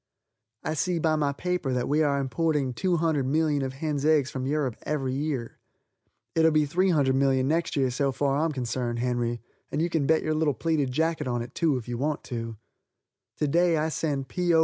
I see by my paper that we are importing 200,000,000 of hens' eggs from Europe every year. It'll be 300,000,000 next year so far as I'm concerned, Henry, and you can bet your little pleated jacket on it, too, if you want to. To day I send P. O.